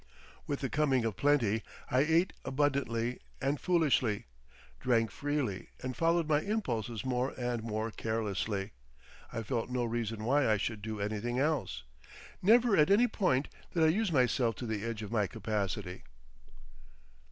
With the coming of plenty I ate abundantly and foolishly, drank freely and followed my impulses more and more carelessly. I felt no reason why I should do anything else. Never at any point did I use myself to the edge of my capacity.